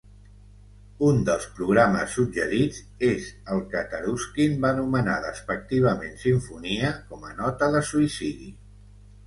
Un dels programes suggerits és el que Taruskin va anomenar despectivament simfonia com a nota de suïcidi.